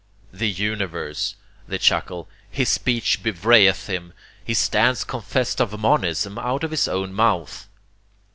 "'The universe'!" they chuckle "his speech bewrayeth him. He stands confessed of monism out of his own mouth."